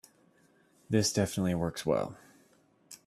This definitely works well.